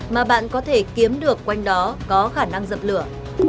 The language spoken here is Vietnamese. mà bạn có thể kiếm được quanh đó có khả năng dập lửa